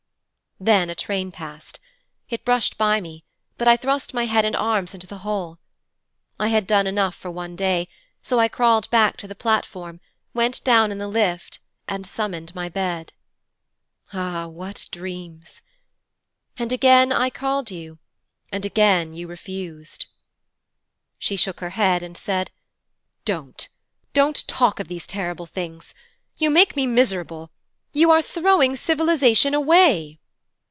'Then a train passed. It brushed by me, but I thrust my head and arms into the hole. I had done enough for one day, so I crawled back to the platform, went down in the lift, and summoned my bed. Ah what dreams! And again I called you, and again you refused.' She shook her head and said: 'Don't. Don't talk of these terrible things. You make me miserable. You are throwing civilization away.'